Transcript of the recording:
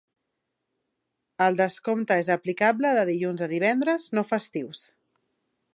El descompte és aplicable de dilluns a divendres no festius.